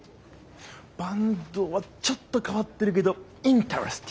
坂東はちょっと変わってるけどインタレスティング！